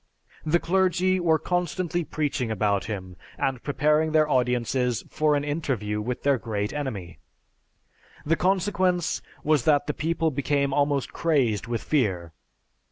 "The clergy were constantly preaching about him, and preparing their audiences for an interview with their great enemy. The consequence was that the people became almost crazed with fear.